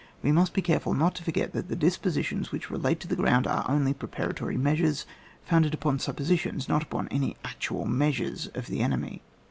"We must be careful not to for get that the dispositions which relate to the ground are only preparatory measuret founded upon suppositions, not upon any actual measures of the enemy.